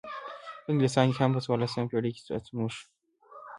په انګلستان کې هم په څوارلسمه پیړۍ کې پاڅون وشو.